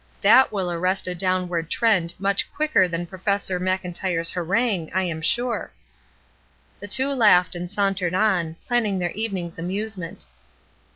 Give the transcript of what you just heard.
That will arrest a downward trend much quicker than Professor Mclntyre's harangue, I am sure." The two laughed and sauntered on, planning their evening's amusement.